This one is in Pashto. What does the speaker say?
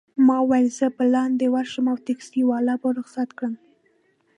ما وویل: زه به لاندي ورشم او ټکسي والا به رخصت کړم.